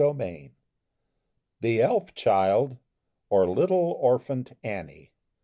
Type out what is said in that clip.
H. _THE ELF CHILD; OR, LITTLE ORPHANT ANNIE.